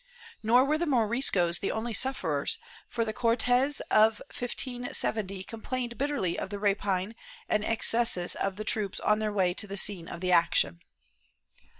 Nor were the Moriscos the only sufferers, for the Cortes of 1570 complained bitterly of the rapine and excesses of the troops on their way to the scene of action.